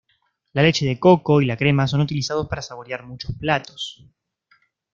La leche de coco y la crema son utilizados para saborear muchos platos.